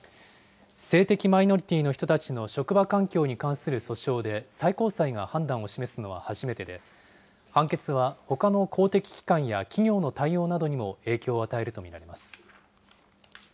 性的マイノリティーの人たちの職場環境に関する訴訟で最高裁が判断を示すのは初めてで、判決はほかの公的機関や企業の対応などにも影響を与えると見られます。